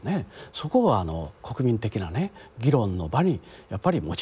そこは国民的なね議論の場にやっぱり持ち出す必要がある。